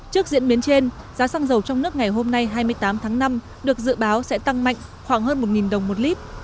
trước diễn biến trên giá xăng dầu trong nước ngày hôm nay hai mươi tám tháng năm được dự báo sẽ tăng mạnh khoảng hơn một đồng một lít